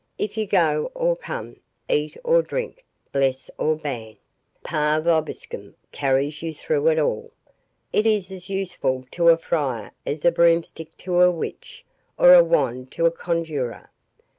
If you go or come, eat or drink, bless or ban, 'Pax vobiscum' carries you through it all. It is as useful to a friar as a broomstick to a witch, or a wand to a conjurer.